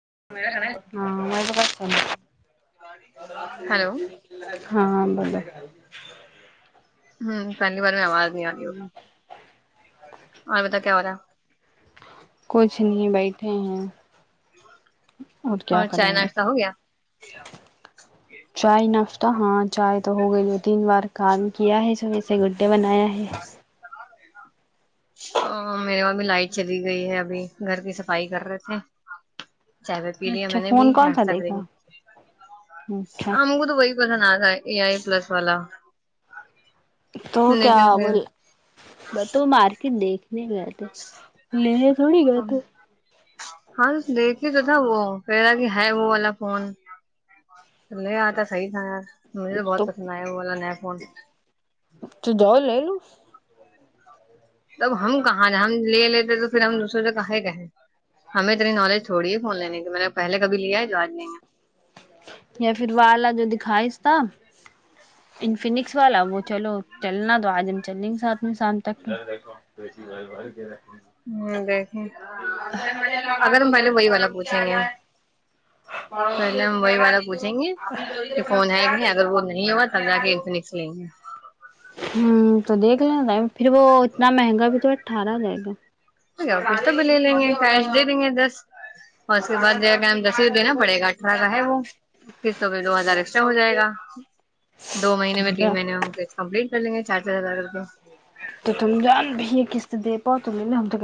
ہ ہلو [unintelligible] ہوں پہلی بار میں آواز نہیں آ رہی ہوگی اور باتا کیا ہو رہا کچھ نہیں بیٹھے ہیں کیا اور کریں چائی گے ناشتا ہو گیا چائے ناشتا ہاں چائے تو ہو گئی ہے تین بار کام کیا ہے سب نے بنایا ہے ا میرے وہاں بھی لائٹ چلی گئی ہے ابھی گھر کی صفائی کر رہے تھے چائی وائی پہیلی ہے اچھا منے بھی فون کون سا نشتا دیکھا کرگئے اچھا ہم کو تو وہی پسند آ ا آئی پلس والا تو کیا لیکن پھر بول بس تو مار کے دیک نہیں گتے لیے تھوڑی گ تھ ہاں دیکھے تو تھا وہ کہہ رہا کہ ہے وہ والا فون تو لے آتا صحیح تھا یار مجھے تو بہت پسند آیا وہ والا نیا فون تو جؤ لے لو تب ہم کہاں ہم لے لیتے تو پھر ہم دوسروں سے کہے کہیں ہمیں اتنی نالج چوڑی ہے فون لینے کی میں نے پہلے کبھی لیا ہے جو آج لینگے خاہش تھا انفینکس والا وہ چلو چلنا تو آج ہم چل لیں گے ساتھ میں شام تک ہ دیکھیں اگر ہم پہلے وہی والا پوچھیں گے پہلے ہم وہی والا پوچھیں گے کہ فون ہے کہ نہیں اگر وہ نہیں ہوا تب جا کے انفنکس لیں گے ہوں تو دیک لیںینا پھر وہ اتنا مہنگا بھی تو پھر [unintelligible] [unintelligible] اور اس کے بعد ج دس دینا پڑے گا اٹھارہ کا ہے وہ کس تو دو ہزار ایکسٹرا ہو جائے گا دو مہینے میں تم تین جا مہینے میں ہمس کمپلیٹ کر لیں گے چارجزار [unintelligible] تو تم جان بھی [unintelligible]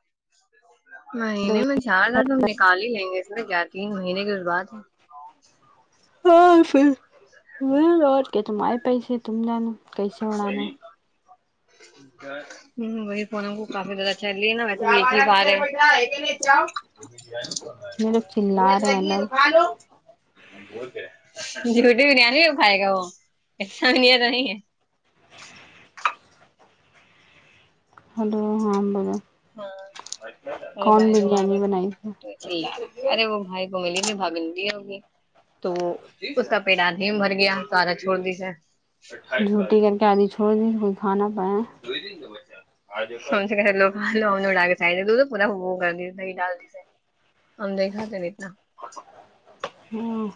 [inaudible] مہینے میں چار ہزار تو ہم نکال ہی لیں گے اس میں کیا تین مہینے کے اس بعد ہے ہاں پھر اور کے تم آئے پیسے تم جانا کیسے اڑانا ہے ہ وہی فون ہم کو کافی زیادہ [unintelligible] یہ لوگ چلا رہے ہیں الگ [inaudible] [unintelligible] ہلو ہاں بولو ہ م کون بھائی ل بریانی آیا تھا بنائی تو تھی چ ارے وہ بھائی کوئلے میں بھاگل نہیں ہوگی تو اس کا پیڑ آدھیم بھر گیا سدا چھوڑ دی اچھا جھوٹی کر کے آدھی چھوڑ د کھانا پایا س سے کہلو [unintelligible] لووں ا ڈال کے سائ تو پورا وہ کر دی د ڈال دیسے آم دئی خات ریتنا ہاں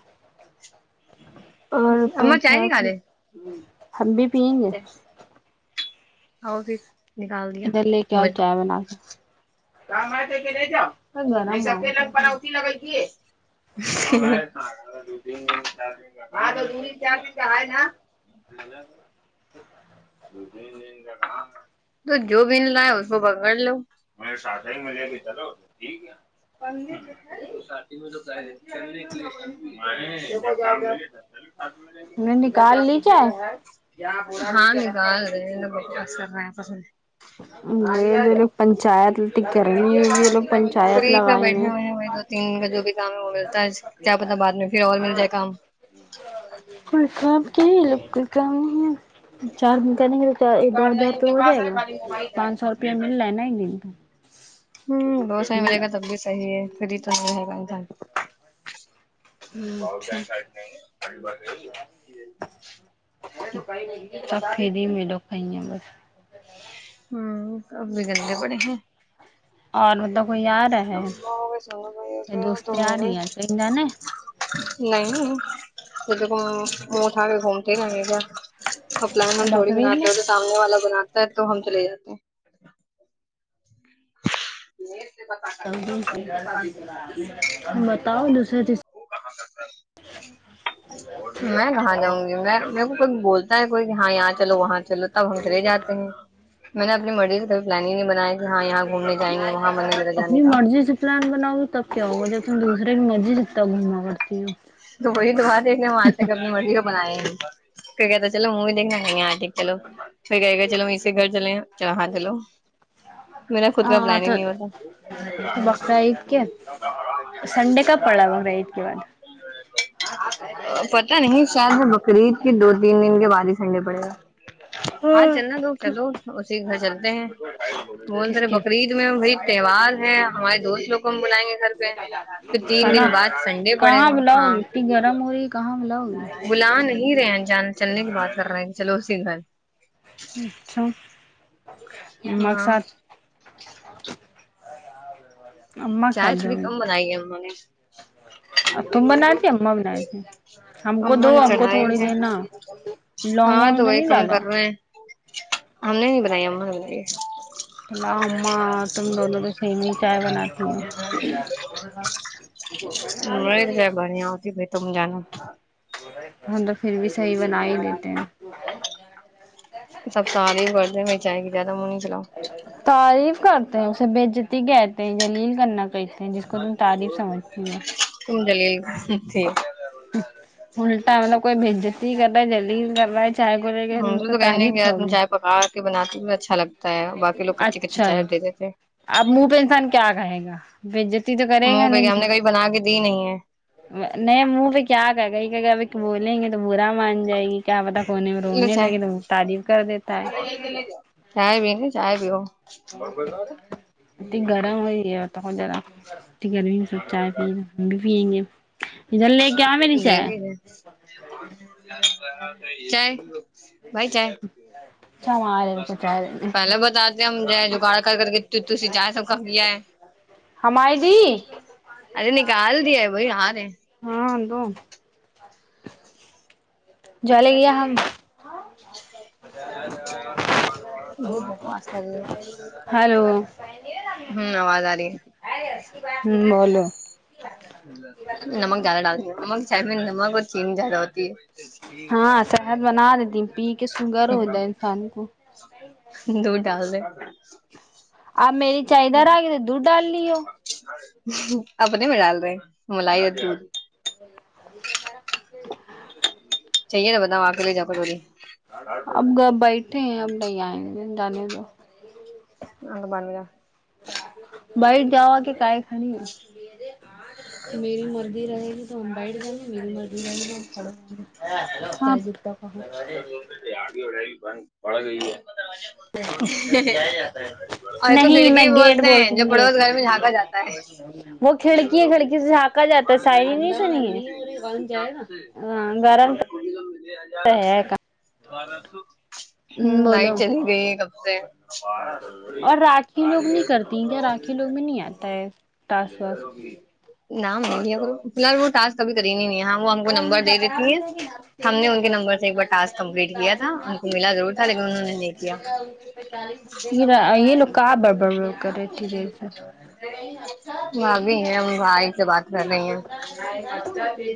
اور تو اماں چائے کیا نکالے ہم بھی تین آؤ پھر نکال دیا ادھر لے کے اور تو چائے بنا کے گرم [unintelligible] تو جو بین لائے اس کو پکڑ لو نے نکال لی چائے [unintelligible] دھر پنچات فی کا بیٹھے ہوئے ہیں وہ دو تین کا جو بھی کام ہے وہ ملتا ہے کیا پتا بعد میں پھر اور مل جائے کام اس سب کہ لوگ کو کام نہیں ہے چار دن کرنے کےے تو دو ہزار تو ہو جائے گا پانچ سو روپیہ مل رہا ہے نا ایک دن پ دو سو ہی میرے گا تب بھی صحیح ہے جی چ ہے گا انسان اچھا بکنےی باتیے کہ م سب بتا فری دیے میں لوگ کہیں ہیں بس ہوں اب بھی گندے بڑے ہیں اور مطلب کوئی آ رہا اماں ہو گئے، سونو بھائی ہو ہے گیا دوستیں تم آ ہو رہی ہیں گئی کہیں جان نہیں تو د کو مہٹھا کے گھومتے ن یہ گا کلائن تھوڑی بقرعید گناتے میں ہو تو سامنے والا گ بنات تو ہم چلے جاتے ہیں ج بتاؤ دوسرے تیسرے میں کہاں جاؤں گی میں میر کو کوئی بولتا ہے کوئی ہاں یہاں چلو وہاں چلو تب ہم چلے جاتے ہیں میں نے اب می کوئی پلاننگ نہیں بنایا کہ ہاں جائیں گے وہاں من میرا جانے اپنی کا مرضی سے پلان بناؤ تب کیا ہوگا جب تم دوسرے کی مرضی سے تب گھوما کرڑتی ہو تو وہی تو بات ہے کہ ہم آج تک اپنی مرضی کو بنائ گی تو کہتا چو من ہی دیکھا نہیں آٹ ہیلو ٹھیکائےئے گا چل اسے گھر چلے ہیں ج ہاں چلو میرا خود کا ہاں پلان ہی تو نہیں ہوتا بقرا عید کے سنڈے کب پڑا بقرا عید کے بعد پت نہیں شاید میں بقرعید کی دو تین کے بع ہی ٹنڈے پڑے گا آج چلنا دو چلو اسی گھر چل کس بولتے رہے کے بقرعید میں بھائی تہوار ہے ہمارے دوست لوگ کو ہم بلائیں گے گھر پہ پھر تین دن بعد سنڈے پڑے گا لاؤ ہاں اتنی گرم ہو رہی ہے کہاں ملاؤ بلا نہیں رہے ہیں جان چلنے کی بات کر رہے چلو س گل ا چھا ہاں مقصد اما کے چائے تھوڑی کم بنائی ہے ہم نے [inaudible] ا تم بنا رہی تھی اا بنا رہی تھیں ہم کو دو اما نے ہم کو تھوڑی چڑھائی ہے دیر نا لانگ ہاں وانگ تو وہی نہیں کم ڈالا کر رہے ہیں [inaudible] بنائی اما نے [unintelligible] [inaudible] [unintelligible] [inaudible] سب ہم تو پھر بھی صحیح بنا ہی دیتے ہیں سارے ہی کرتے میں [unintelligible] تعریف کرتے ہیں اسے بجتی گ [unintelligible] [unintelligible] ٹھیک اللٹا مطلب کوئی بج کرتا ہے جلدی کر رہا ہے چائے کو لے ہم گ لوگ کو تو کہنے کہ تعریف یار تم ہوگی چائے پکا کے بناتی بھی اچھا لگتا ہے باقی لوگ کچی کچی اچھا چائے لگ دے دیتے تھے اب منہ پہ انسان کیا کہے گا بتی تو کرے گا منہ پہ نہیں ہم نے کبھی بنا کے دی نہیں ہے منہ پہ کیا گہے گا کہ اب ایک بولیں گ تو برا مان جائے گی کیا پتا کونے میں لو رونے چائے لگے تو وہ تعریف کر دیتا ہے چائے بھی نہیں چائے پیو اتنی گرم ہوئی ہےت ذرا انی گرمی میں سب چائے پی ہم بھی پیئیں گے ادھر لے کے آ میری چائے چائے بھائی جائے اچھا ہمارے روپے چاہ رہے پہلے بتاتے ہم ج جگاڑ کر کر کے تسی جائے سب کا کیا ہے ہماری دی ارے نکال دیا بی ہ ہاں تو جلے گیا ہم بت بواس کر رہی ہلو ہ آواز آ رہی ہے ہ بولو نمک زیادہ ڈال د نم چائے میں نمک اور چین زیادہ ہوتی ہے جی ہاں صحت بنا دیتی پی کے سوگر ہو جائے انسان کو دھ ڈال د ے آپ میری چائے ادھر آ گئی دودھ ڈال لیو اپنے میں ڈال رہے ہیں ملائیدین اب جنارا من چاہیے نا بتاؤ آ کےے لے جاؤ تھوڑی اب گ بیٹھے ہیں اب ل آئیں گ جان تو ہگ بانییا بائر جاوا کہ کائی خانی میرے میری مرضی رہے گی ج ہو آڈیو ری بند پڑھ گئی ہے اور تو نہیں میں گھڑکی گیٹ بولتے ہیں بولتی جو ہوں پڑوس گیٹ گھر میں جھانکا جاتا وہ کھڑکی ہے کھڑکی سے جھانکا جاتا ہے ہےر شاعری نہیں گاہےاب سنی ہے سے ہاں گرم ہزار روپئے ہے بارہ سو ہ نائٹ بولو چلی گئی کب سے بارہ اور راکھی لوگ نہیں کرتی ہیں کیا راکھی لوگ میں نہیں آتا ہے ٹاسک واسک سوی سوگام ساس کب تریننی نہیں ہے ہاں وہ ہم کو نمبر دے دیتی ہے ہم نے ان کے نمبر سے ایک بار ٹسک انہوں نے نہیں کیا پالیس یہ لو کہ بھابھی ہیں ہم بھائی سے بات کر رہی ہیں [inaudible]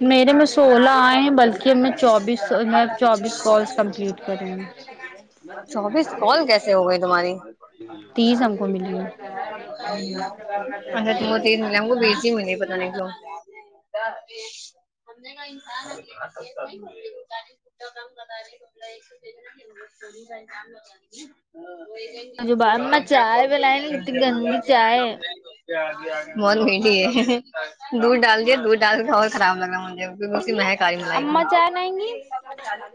چوبیس مطلب چوبیس کالس کمپلیٹ کریں گے چوبیس کال کیسے ہو گئے تمہاری بڑی تیس ہم کو ملی ہے اچھا ت تیز ملا ہم کو بیسی ملی پت نہیں کی کاسان شام کیا کر جو اما چائے من بلائیں گے کتنی گندی چائے مٹی ہے دودھ ڈال دے دودھ ڈال کے بہت خراب لگا مجھے کیونکہ اس دیں کی گی مہک آ رہی ملائی کی اما چائے بنائیں گی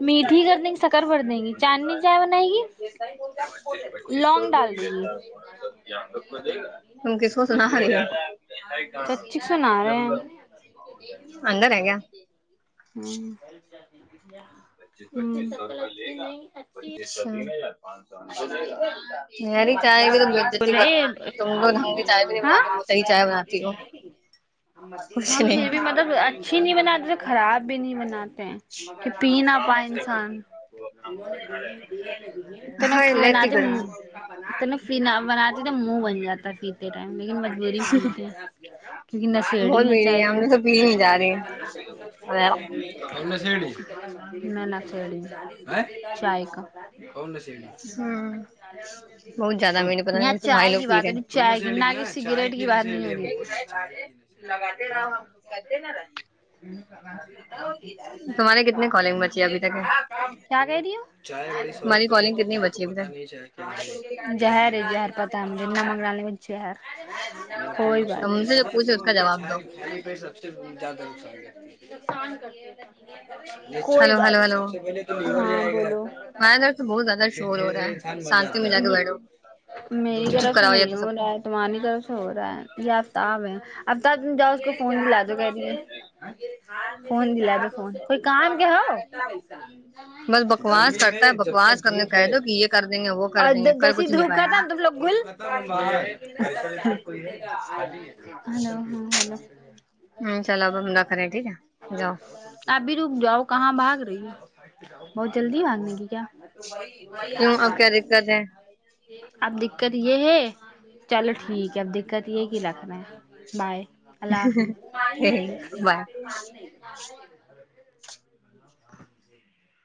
میٹھی کر دیں گی شکر بھر دیں گی چاندنی چائے بنائے گی لونگ ڈال دیں گی م ت کی س و سنا رہ ہے سچی سنا رہے اندر ہے گا ہوں انی شکل اچھی نہیں اچھی پچ س ب تم تو ڈھنگ کی چائے بھی نہیں ہ بناتی ہو صحیح چائے بناتی ہو کچھ ہم نہیں پھر بھی مطلب اچھی نہیں بناتے تھ خراب بھی نہیں بناتے کہ پین پ انسان ہاں تناناد تو لتی گرمی بناتی تو منہ بن جاتا ہے پیتے ٹم لیکن مج پیتے کیکہ بہت نشیڑی ہے بھیڑ چائے ہم کا نے تو پی نہیں جا رہی ہوں میں ن چی چ کاا بہت زیادہ کون میرے پتا نہیں تو بھائی چائے لوگ کی پی بات رہے ہے ہیں ن چائے کی نہ کہ سگریٹ کی بات تمہارے کتنے کالنگ بچی ابھی تک ہے کیا کہ چائے بڑی شوق ہماری سے پ کالنگ کتنی بچی ابھی تک نہیں چائے کیا ہر ہے ہر پتا ہے ہمنا منگلہ نہیں م ہار کوئی بات ہم نہیں سے جو صبح پوچھے اس کا جواب دو صبھ پ سب سے زیادہ نقصان نقان گے کوئی ہلو بات ہلو نہیں ہلو سب سے پہلے تو ہمارے ادھر تو بہت زیادہ پھر شور ہو دھیرے رہا دھیرے ہے انسان مر شانتی میں جاتا جا کے بیٹھو میری چپ طرف سے کراؤ یہ نہیں تو سب ہو کو رہا ہے تمہاری طرف سے ہو رہا ہے یا آفتاب ہیں اب تب جاؤ اس کو فون دلا دو کہ دے فون دلا دو فون کوئی کام کیا ہو بس بکواس گرمی کرتا میں ہے جب بکواس تک کرنے دھپ کہہ ہے دو کہ یہ کر دیں گے وہ کر اور دیں گے کر جیسیے کچھ نہیں دھوپ پائیں کرتا گے ن تم لوگ گل ہلو ہاں بلو ہ چلو ابلہ کر رہے ٹھیک ہے جاؤ ابھی رک جاؤ کہاں باگ رہی ہے بہت جلدی مانگنے کی کیا کیوں اب کیا دقت ہے آپ دیکھ دقت یہ ہے چل ٹھیک ہے دقت یہ کی لکھنا ہے بائے اللہ حافظ بائے ہان